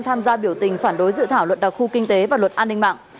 tham gia biểu tình phản đối dự thảo luật đặc khu kinh tế và luật an ninh mạng